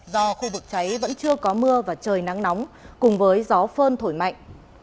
do khu vực cháy vẫn chưa có mưa và trời nắng nóng cùng với gió phơn thổi mạnh